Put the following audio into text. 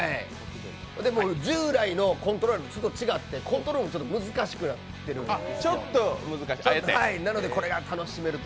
従来のコントローラーと違ってコントロールが難しくなってるんですよ。